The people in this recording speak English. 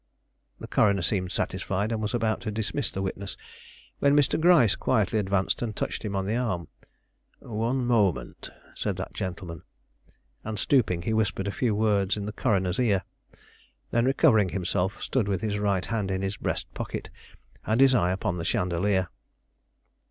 The coroner seemed satisfied, and was about to dismiss the witness when Mr. Gryce quietly advanced and touched him on the arm. "One moment," said that gentleman, and stooping, he whispered a few words in the coroner's ear; then, recovering himself, stood with his right hand in his breast pocket and his eye upon the chandelier.